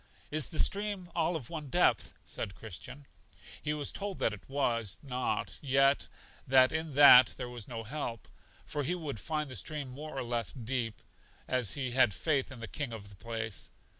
Is the stream all of one depth? said Christian. He was told that it was not, yet that in that there was no help, for he would find the stream more or less deep, as he had faith in the King of the place.